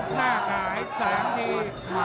หน้าหงายแสงดี